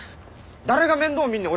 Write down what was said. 誰が面倒見んねん